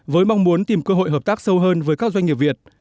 với mong muốn tìm cơ hội hợp tác sâu hơn với các doanh nghiệp việt